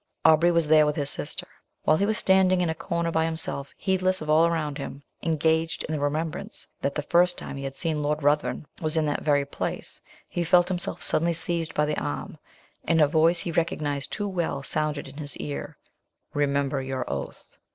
Aubrey was there with his sister. While he was standing in a corner by himself, heedless of all around him, engaged in the remembrance that the first time he had seen Lord Ruthven was in that very place he felt himself suddenly seized by the arm, and a voice he recognized too well, sounded in his ear "Remember your oath."